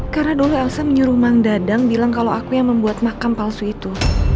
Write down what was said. karena dulu elsa menyuruh mang dadang bilang kalau aku yang membuat makam palsu itu